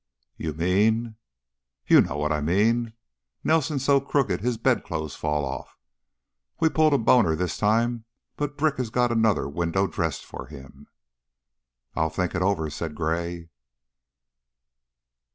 "You mean ?" "You know what I mean. Nelson's so crooked his bedclothes fall off. We pulled a boner this time, but Brick has got another window dressed for him." "I'll think it over," said Gray.